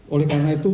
oleh karena itu